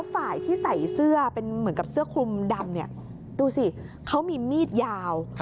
เป็นเหมือนกับเสื้อคลุมดำเนี่ยดูสิเขามีมีดยาว